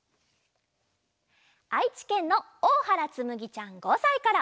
あいちけんのおおはらつむぎちゃん５さいから。